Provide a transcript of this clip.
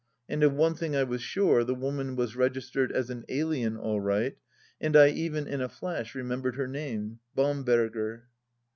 And of one thing I was sure, the woman was registered as an alien all right, and I even, in a flash, remembered her name — ^Bamberger.